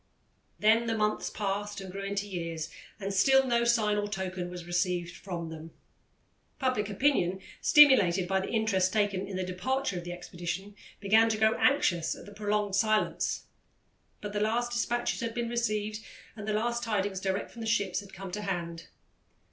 Then the months passed and grew into years, and still no sign or token was received from them. Public opinion, stimulated by the interest taken in the departure of the expedition, began to grow anxious at the prolonged silence; but the last despatches had been received and the last tidings direct from the ships had come to hand.